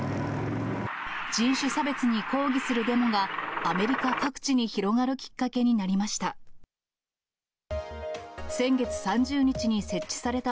人種差別に抗議するデモが、アメリカ各地に広がるきっかけになりました。